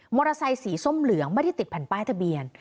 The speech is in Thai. เตอร์ไซค์สีส้มเหลืองไม่ได้ติดแผ่นป้ายทะเบียน